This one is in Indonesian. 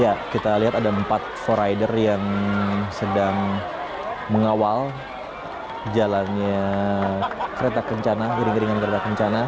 ya kita lihat ada empat forider yang sedang mengawal jalannya kereta kencana kering keringan kereta kencana